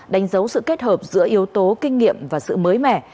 đánh dấu sự kết hợp giữa yếu tố kinh nghiệm và sự mới mẻ